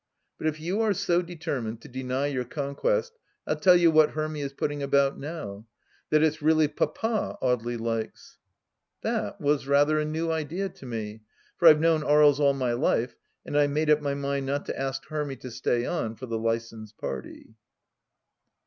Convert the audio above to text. But if you are so deter mined to deny your conquest, I'll tell you what Hermy is putting about, now — ^that it's really Papa Audely likes !" That was rather a new idea to me, for I've known Aries all my life, and I made up my mind not to ask Hermy to stay on for the Lysons' party.